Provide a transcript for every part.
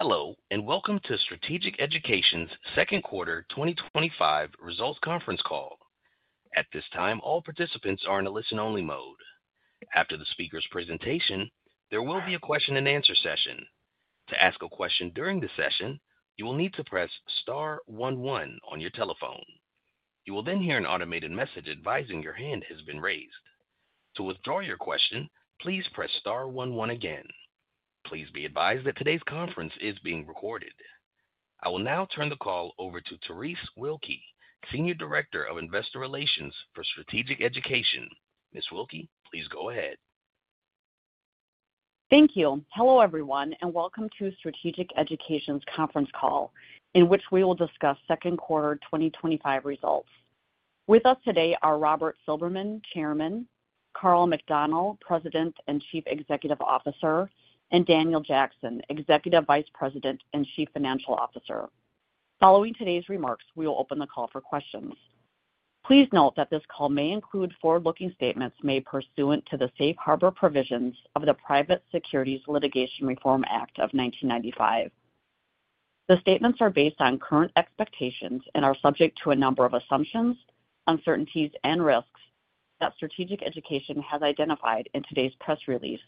Hello and welcome to Strategic Education, Inc.'s second quarter 2025 results conference call. At this time, all participants are in a listen-only mode. After the speaker's presentation, there will be a question-and-answer session. To ask a question during the session, you will need to press star one one on your telephone. You will then hear an automated message advising your hand has been raised. To withdraw your question, please press star one one again. Please be advised that today's conference is being recorded. I will now turn the call over to Therese Wilke, Senior Director of Investor Relations for Strategic Education, Inc. Ms. Wilke, please go ahead. Thank you. Hello everyone and welcome to Strategic Education, Inc.'s conference call in which we will discuss second quarter 2025 results. With us today are Robert Silberman, Chairman, Karl McDonnell, President and Chief Executive Officer, and Daniel Jackson, Executive Vice President and Chief Financial Officer. Following today's remarks, we will open the call for questions. Please note that this call may include forward-looking statements made pursuant to the safe harbor provisions of the Private Securities Litigation Reform Act of 1995. The statements are based on current expectations and are subject to a number of assumptions, uncertainties, and risks that Strategic Education, Inc. has identified in today's press release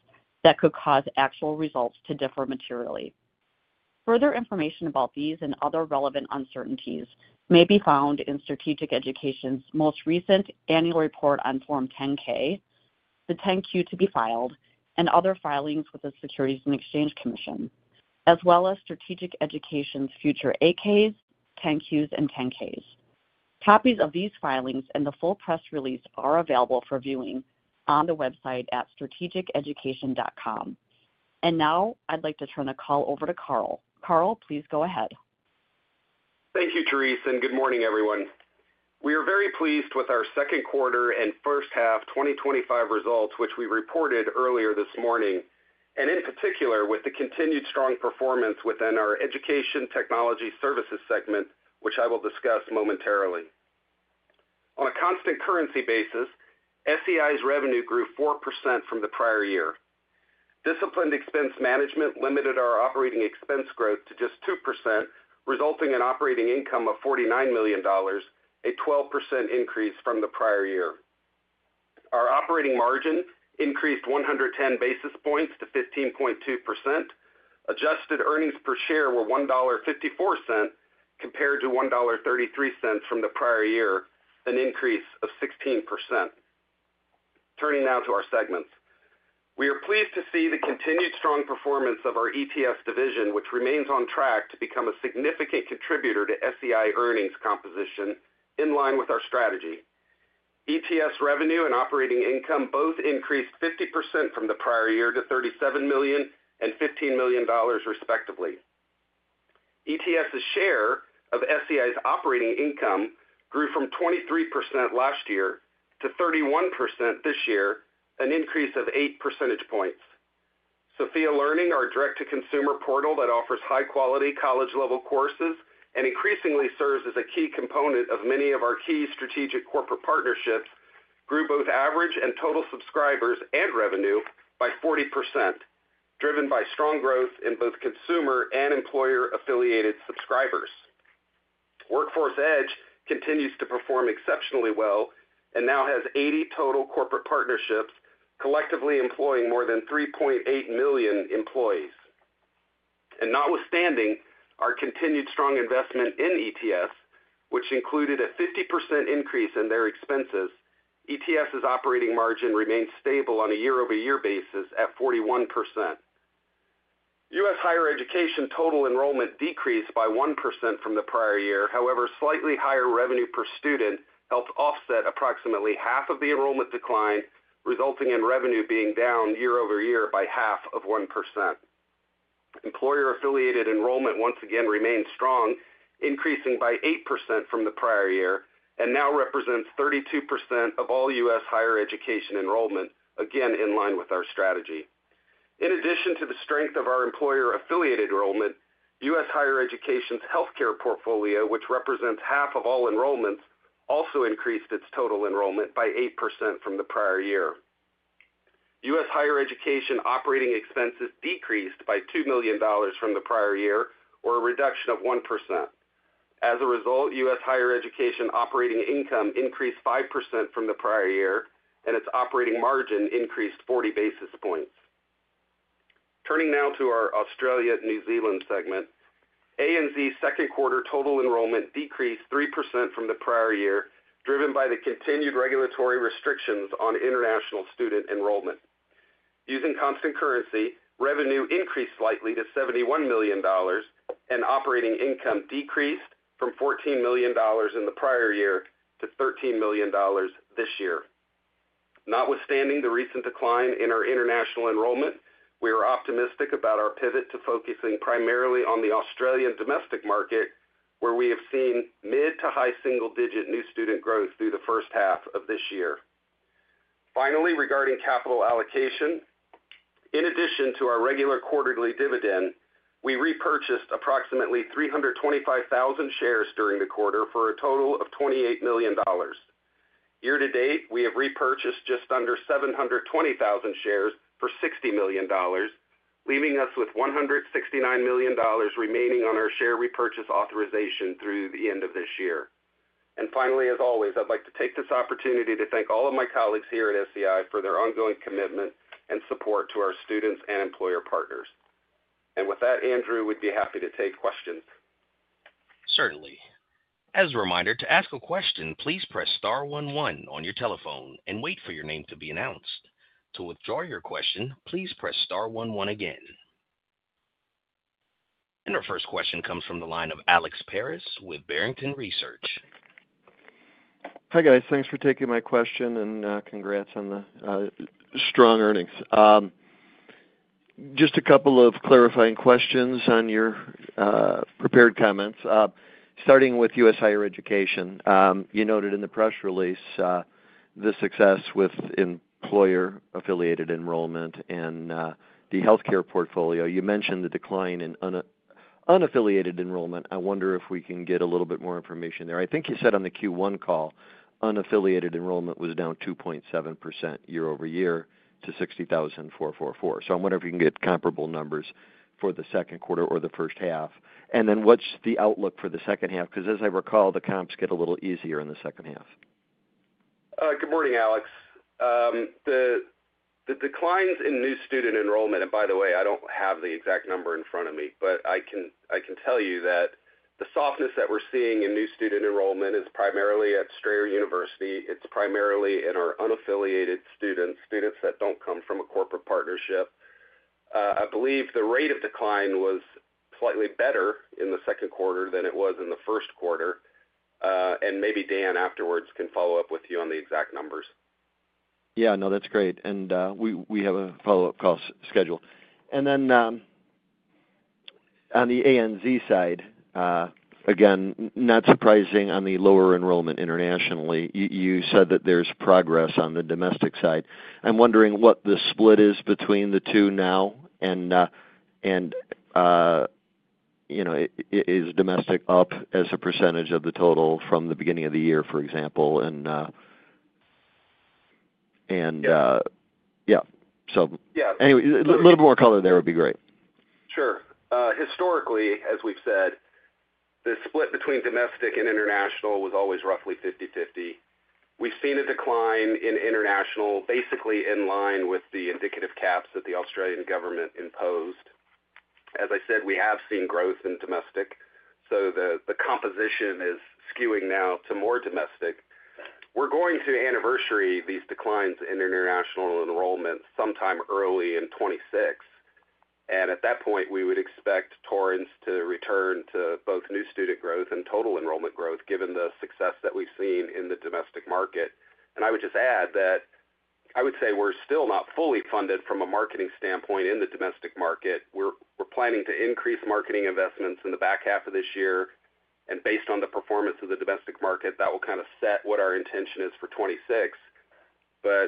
that could cause actual results to differ materially. Further information about these and other relevant uncertainties may be found in Strategic Education, Inc.'s most recent annual report on Form 10-K, the 10-Q to be filed, and other filings with the Securities and Exchange Commission as well as Strategic Education, Inc.'s future 8-Ks, 10-Qs, and 10-Ks. Copies of these filings and the full press release are available for viewing on the website at strategiceducation.com. Now I'd like to turn the call over to Karl. Karl, please go ahead. Thank you, Therese, and good morning, everyone. We are very pleased with our second quarter and first half 2025 results, which we reported earlier this morning, and in particular with the continued strong performance within our Education Technology Services segment, which I will discuss momentarily. On a constant currency basis, SEI's revenue grew 4% from the prior year. Disciplined expense management limited our operating expense growth to just 2%, resulting in operating income of $49 million, a 12% increase from the prior year. Our operating margin increased 110 basis points to 15.2%. Adjusted earnings per share were $1.54 compared to $1.33 from the prior year, an increase of 16%. Turning now to our segments, we are pleased to see the continued strong performance of our ETS division, which remains on track to become a significant contributor to SEI earnings composition in line with our strategy. ETS revenue and operating income both increased 50% from the prior year to $37 million and $15 million, respectively. ETS share of SEI's operating income grew from 23% last year to 31% this year, an increase of 8 percentage points. Sophia Learning, our direct-to-consumer portal that offers high-quality college-level courses and increasingly serves as a key component of many of our key strategic corporate partnerships, grew both average and total subscribers and revenue by 40%. Driven by strong growth in both consumer and employer-affiliated subscribers, Workforce Edge continues to perform exceptionally well and now has 80 total corporate partnerships collectively employing more than 3.8 million employees. Notwithstanding our continued strong investment in ETS, which included a 50% increase in their expenses, ETS's operating margin remained stable on a year-over-year basis at 41%. U.S. higher education total enrollment decreased by 1% from the prior year. However, slightly higher revenue per student helped offset approximately half of the enrollment decline, resulting in revenue being down year-over-year by half of 1%. Employer-affiliated enrollment once again remained strong, increasing by 8% from the prior year and now represents 32% of all U.S. higher education enrollment, again in line with our strategy. In addition to the strength of our employer-affiliated enrollment, U.S. higher education's healthcare portfolio, which represents half of all enrollments, also increased its total enrollment by 8% from the prior year. U.S. higher education operating expenses decreased by $2 million from the prior year, or a reduction of 1%. As a result, U.S. higher education operating income increased 5% from the prior year, and its operating margin increased 40 basis points. Turning now to our Australia/New Zealand segment, ANZ second quarter total enrollment decreased 3% from the prior year, driven by the continued regulatory restrictions on international student enrollment. Using constant currency, revenue increased slightly to $71 million, and operating income decreased from $14 million in the prior year to $13 million this year. Notwithstanding the recent decline in our international enrollment, we are optimistic about our pivot to focusing primarily on the Australian domestic market, where we have seen mid to high single digit new student growth through the first half of this year. Finally, regarding capital allocation, in addition to our regular quarterly dividend, we repurchased approximately 325,000 shares during the quarter for a total of $28 million this year-to-date, we have repurchased just under 720,000 shares for $60 million, leaving us with $169 million remaining on our share repurchase authorization through the end of this year. Finally, as always, I'd like to take this opportunity to thank all of my colleagues here at SEI for their ongoing commitment and support to our students and employer partners. With that, Andrew, we'd be happy to take questions. Certainly. As a reminder to ask a question, please press star one one on your telephone and wait for your name to be announced. To withdraw your question, please press star one one again. Our first question comes from the line of Alex Paris with Barrington Research. Hi guys. Thanks for taking my question and congrats on the strong earnings. Just a couple of clarifying questions on your prepared comments, starting with U.S. higher education. You noted in the press release the success with employer-affiliated enrollment and the healthcare portfolio. You mentioned the decline in unemployment, unaffiliated enrollment. I wonder if we can get a little bit more information there. I think you said on the Q1 call, unaffiliated enrollment was down 2.7% year-over-year to 60,444. I wonder if you can get comparable numbers for the second quarter or the first half, and then what's the outlook for the second half? Because as I recall, the comps get a little easier in the second half. Good morning, Alex. The declines in new student enrollment, by the way, I don't have the exact number in front of me, but I can tell you that the softness that we're seeing in new student enrollment is primarily at Strayer University. It's primarily in our unaffiliated students, students that don't come from a corporate partnership. I believe the rate of decline was slightly better in the second quarter than it was in the first quarter. Maybe Daniel afterwards can follow up with you on the exact numbers. Yeah, no, that's great. We have a follow up cost schedule. And then on the ANZ side, again, not surprising. On the lower enrollment internationally, you said that there's progress on the domestic side. I'm wondering what the split is between the two now, and is domestic up as a percentage of the total from the beginning of the year, for example. Anyway, a little more color there would be great. Sure. Historically, as we've said, the split between domestic and international was always roughly 50/50. We've seen a decline in international, basically in line with the indicative caps that the Australian government imposed. As I said, we have seen growth in domestic, so the composition is skewing now to more domestic. We're going to anniversary these declines in international enrollment sometime early in 2026. At that point, we would expect Torrens to return to both new student growth and total enrollment growth, given the success that we've seen in the domestic market. I would just add that I would say we're still not fully funded from a marketing standpoint in the domestic market. We're planning to increase marketing investments in the back half of this year. Based on the performance of the domestic market, that will kind of set what our intention is for 2026.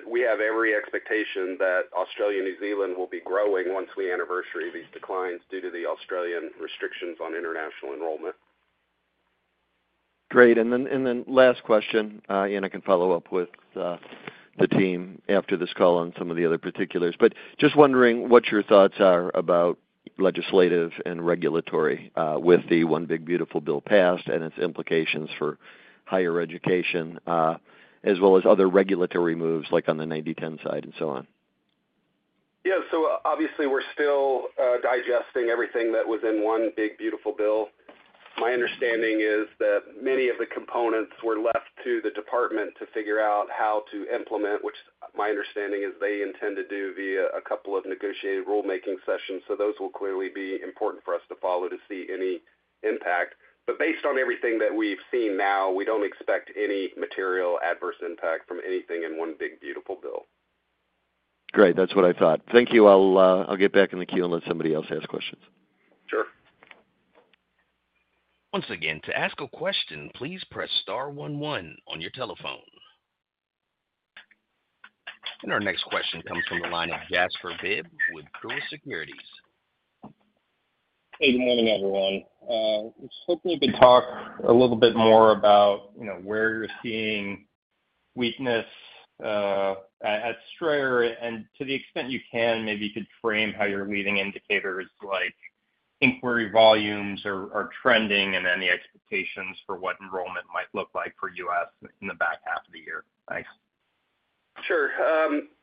We have every expectation that Australia/New Zealand will be growing once we anniversary these declines due to the Australian restrictions on international enrollment. Great. Last question. Anna can follow up with the team after this call on some of the other particulars, but just wondering what your thoughts are about legislative and regulatory with the One Big Beautiful Bill passed and its implications for higher education, as well as other regulatory moves like on the 90/10 side and so on. Yeah, so obviously we're still digesting everything that was in One Big Beautiful Bill. My understanding is that many of the components were left to the department to figure out how to implement, which my understanding is they intend to do via a couple of negotiated rulemaking sessions. Those will clearly be important for us to follow. Any impact. Based on everything that we've seen now, we don't expect any material adverse impact from anything in One Big Beautiful Bill. Great. That's what I thought. Thank you. I'll get back in the queue unless somebody else has questions. Once again, to ask a question, please press star one one on your telephone. Our next question comes from the line of Jasper Bibb with Truist Securities. Hey, good morning everyone. Hope you could talk a little bit more about where you're seeing weakness at Strayer and to the extent you can, maybe you could frame how your leading indicators like inquiry volumes are trending and any expectations for what enrollment might look like for U.S. in the back half of the year. Thanks. Sure.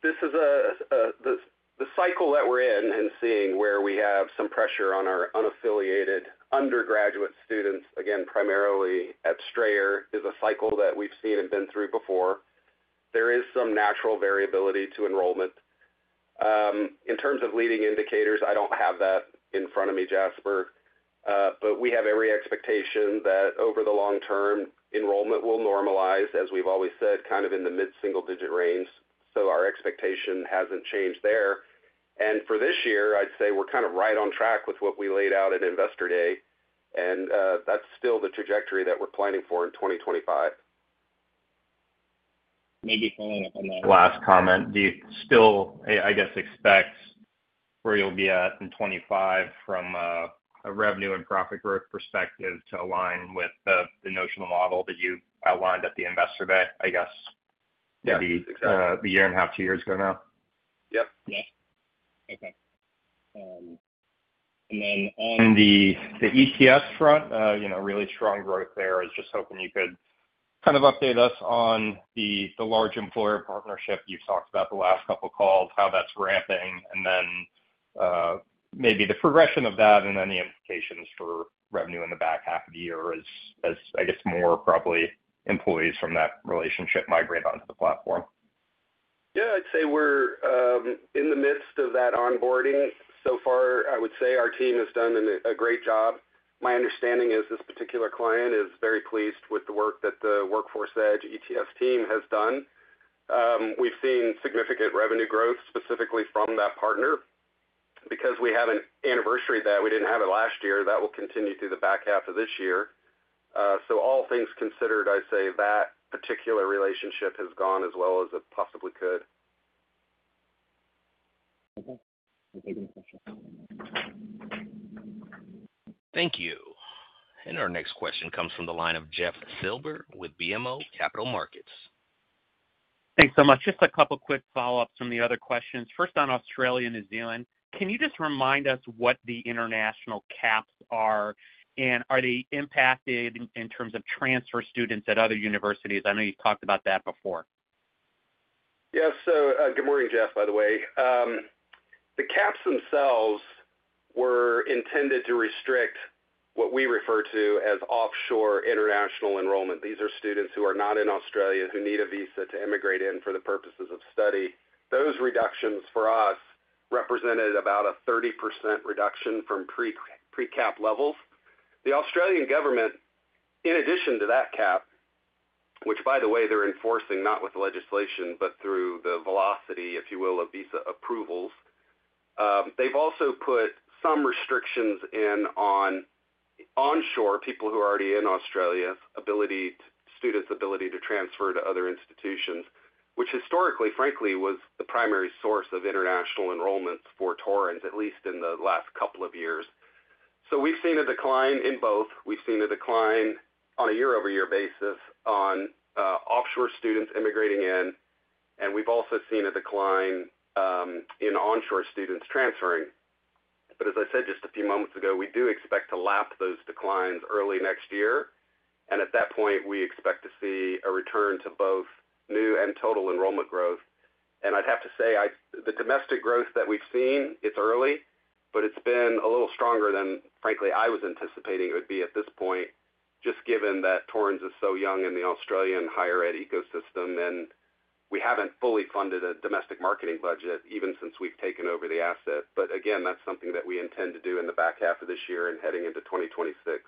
This is the cycle that we're in, and seeing where we have some pressure on our unaffiliated undergraduate students, again, primarily at Strayer, is a cycle that we've seen and been through before. There is some natural variability to enrollment. In terms of leading indicators. I don't have that in front of me, Jasper, but we have every expectation that over the long term enrollment will normalize, as we've always said, kind of in the mid-single digit range. Our expectation hasn't changed there. For this year, I'd say we're kind of right on track with what we laid out at Investor Day, and that's still the trajectory that we're planning for in 2025. Maybe following up on that last comment, do you still, I guess, expect where you'll be at in 2025 from a revenue and profit growth perspective to align with the notional model that you outlined at the investor day, I guess a year and a half, two years ago now. Yep. Okay. On the ETS front, you know, really strong growth there. I was just hoping you could kind of update us on the large employer partnership you've talked about the last couple of calls, how that's ramping and then maybe the progression of that and then the implications for revenue in the back half of the year as I guess more probably employees from that relationship migrate onto the platform. Yeah, I'd say we're in the midst of that onboarding. So far. I would say our team has done a great job. My understanding is this particular client is very pleased with the work that the Workforce Edge team has done. We've seen significant revenue growth specifically from that partner because we haven't anniversary that we didn't have it last year. That will continue through the back half of this year. All things considered, I'd say that particular relationship has gone as well as it possibly could. Thank you. Our next question comes from the line of Jeff Silber with BMO Capital Markets. Thanks so much. Just a couple quick follow ups from the other questions. First on Australia/New Zealand, can you just remind us what the international caps are, and are they impacted in terms of transfer students at other universities? I know you talked about that before. Yes, good morning, Jeff. By the way, the caps themselves were intended to restrict what we refer to as offshore international enrollment. These are students who are not in Australia who need a visa to immigrate in for the purposes of study. Those reductions for us represented about a 30% reduction from pre-cap levels. The Australian government, in addition to that cap, which, by the way, they're enforcing not with legislation, but through the velocity, if you will, of visa approvals, has also put some restrictions in on onshore people who are already in Australia, students' ability to transfer to other institutions, which historically, frankly, was the primary source of international enrollments for Torrens, at least in the last couple of years. We have seen a decline in both. We have seen a decline on a year-over-year basis on offshore students immigrating in, and we have also seen a decline in onshore students transferring. As I said just a few moments ago, we do expect to lap those declines early next year. At that point, we expect to see a return to both new and total enrollment growth. I'd have to say the domestic growth that we've seen, it's early, but it's been a little stronger than, frankly, I was anticipating it would be at this point, just given that Torrens is so young in the Australian higher ed ecosystem and we haven't fully funded a domestic marketing budget even since we've taken over the asset. That is something that we intend to do in the back half of this year and heading into 2026.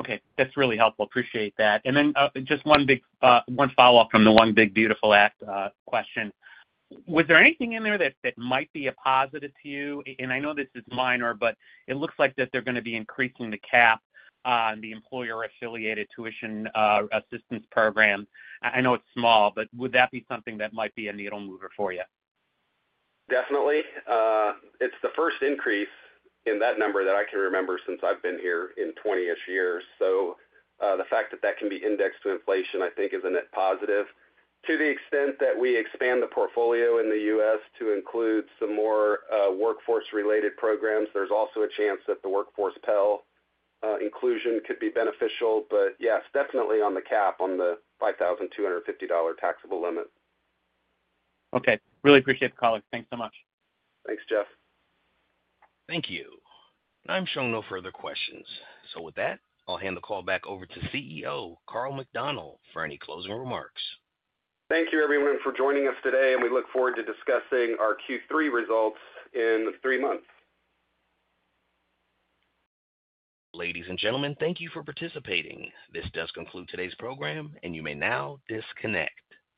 Okay, that's really helpful. Appreciate that. Just one big follow up from the One Big Beautiful Bill question. Was there anything in there that might be a positive to you? I know this is minor, but it looks like they're going to be increasing the cap on the employer tuition assistance program. I know it's small, but would that be something that might be a needle mover for you? Definitely. It's the first increase in that number that I can remember since I've been here in 20 years. The fact that that can be indexed to inflation I think is a net positive to the extent that we expand the portfolio in the U.S. to include some more workforce related programs. There's also a chance that the workforce Pell inclusion could be beneficial. Yes, definitely on the cap on the $5,250 taxable limit. Okay. Really appreciate the caller. Thanks so much. Thanks Jeff. Thank you. I'm showing no further questions. With that, I'll hand the call back over to CEO Karl McDonnell for any closing remarks. Thank you everyone for joining us today, and we look forward to discussing our Q3 results in three months. Ladies and gentlemen, thank you for participating. This does conclude today's program, and you may now disconnect.